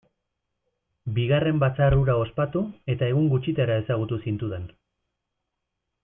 Bigarren batzar hura ospatu, eta egun gutxitara ezagutu zintudan.